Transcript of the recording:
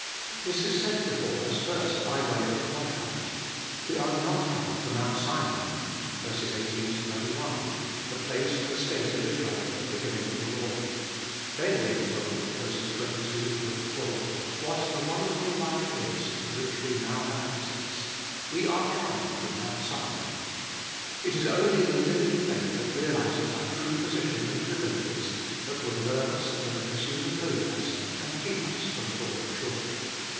This is set before us first by way of contrast : We are not come to Mount Sinai (18 21) the place and state of Israel at the giving of the law. Then we are told (22 24) what the wonderful life is to which we now have access: We are come to Mount Sion. It is only the living faith that realises our true position and privileges, that will nerve us in the pursuit of holiness, and keep us from falling short.